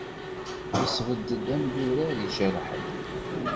Yesbedd-d amyurar ijerḥen.